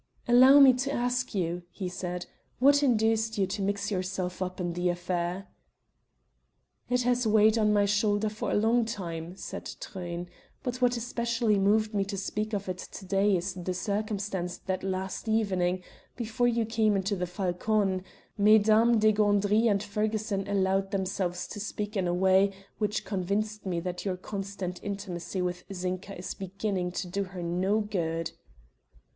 "Allow me to ask you," he said, "what induced you to mix yourself up in the affair?" "It has weighed on my mind for a long time," said Truyn, "but what especially moved me to speak of it to day is the circumstance that last evening, before you came into the 'Falcone,' Mesdames De Gandry and Ferguson allowed themselves to speak in a way which convinced me that your constant intimacy with Zinka is beginning to do her no good."